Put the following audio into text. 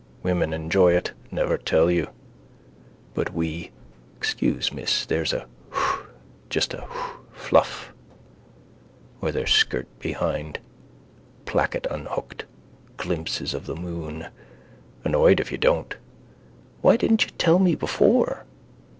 Women enjoy it. Never tell you. But we. Excuse, miss, there's a (whh!) just a (whh!) fluff. Or their skirt behind, placket unhooked. Glimpses of the moon. Annoyed if you don't. Why didn't you tell me before.